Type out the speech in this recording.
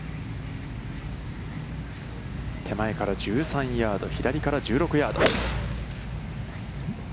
手前から１３ヤード、左から１６ヤード。